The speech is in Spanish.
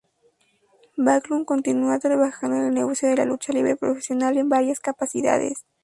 Backlund continúa trabajando en el negocio de la lucha libre profesional en varias capacidades.